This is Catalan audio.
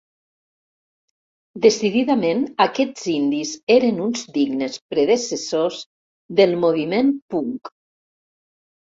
Decididament aquests indis eren uns dignes predecessors del moviment punk.